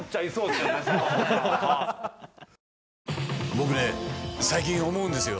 僕ね最近思うんですよ。